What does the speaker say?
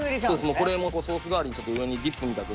これソース代わりに上にディップみたく